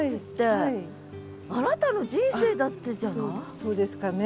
そうですかね。